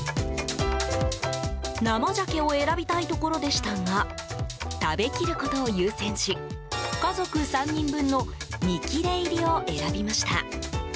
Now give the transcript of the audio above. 生ジャケを選びたいところでしたが食べ切ることを優先し家族３人分の３切れ入りを選びました。